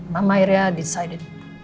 mama iria berputus asa